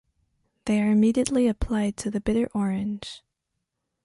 They are immediately applied to the bitter orange.